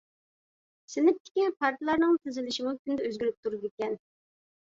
سىنىپتىكى پارتىلارنىڭ تىزىلىشىمۇ كۈندە ئۆزگىرىپ تۇرىدىكەن.